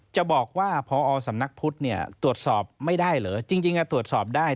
จะบอกว่าพอสำนักพุทธเนี่ยตรวจสอบไม่ได้เหรอจริงตรวจสอบได้